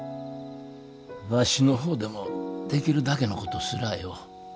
わしの方でもできるだけのことすらあよお。